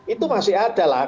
itu masih ada lah